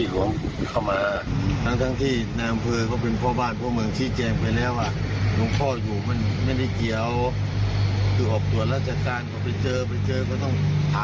หวังว่าหลวงพ่อไม่ได้ไปแจ้ง